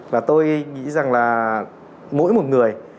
và tôi nghĩ rằng là mỗi một người